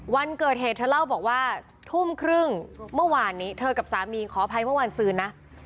วันเกิดเหตุเธอเล่าบอกว่าทุ่มครึ่งเมื่อวานนี้เธอกับสามีขออภัยเมื่อวานซืนนะ